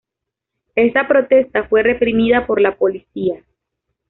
Esta protesta fue reprimida por la policía.